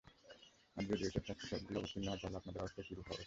আর যদি ঐসব শাস্তির সবগুলো অবতীর্ণ হয় তাহলে আপনাদের অবস্থা কিরূপ হবে?